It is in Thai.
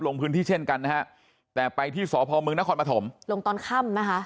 ลงพื้นที่เช่นกันนะฮะแต่ไปที่สพมนครปฐมลงตอนค่ำนะคะ